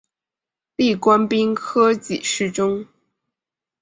历官兵科给事中。